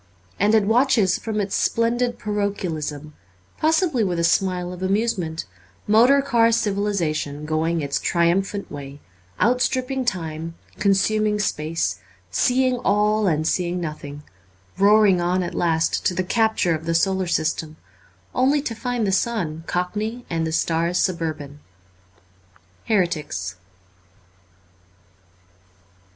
And it watches from its splendid parochialism, possibly with a smile of amusement, motor car civilization going its triumphant way, outstripping time, consuming space, seeing all and seeing nothing, roaring on at last to the capture of the solar system, only to find the sun cockney and the stars suburban. ' Heretics.'